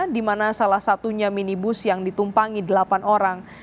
di mana salah satunya minibus yang ditumpangi delapan orang